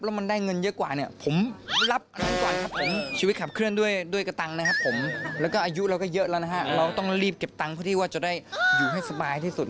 ต้องรีบเก็บเงินเพื่อที่จะได้อยู่ให้สบายที่สุด